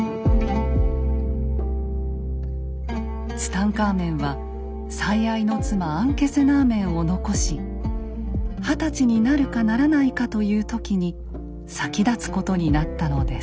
ツタンカーメンは最愛の妻アンケセナーメンを残し二十歳になるかならないかという時に先立つことになったのです。